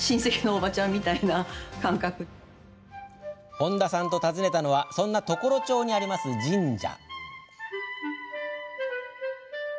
本田さんと訪ねたのはそんな常呂町にある神社。